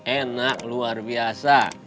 enak luar biasa